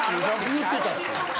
言うてたし。